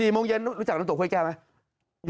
โมงเย็นรู้จักน้ำตกห้วยแก้วไหม